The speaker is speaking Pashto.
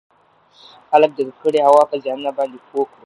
خلــک د ککـړې هـوا پـه زيـانونو بانـدې پـوه کـړو٫